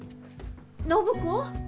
暢子！